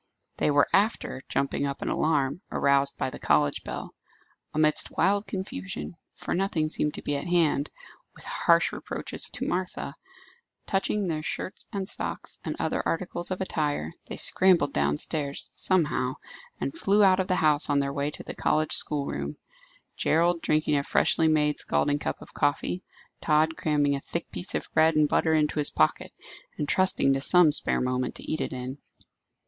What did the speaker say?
They were "after" jumping up in alarm, aroused by the college bell. Amidst wild confusion, for nothing seemed to be at hand, with harsh reproaches to Martha, touching their shirts and socks, and other articles of attire, they scrambled downstairs, somehow, and flew out of the house on their way to the college schoolroom; Gerald drinking a freshly made scalding cup of coffee; Tod cramming a thick piece of bread and butter into his pocket, and trusting to some spare moment to eat it in.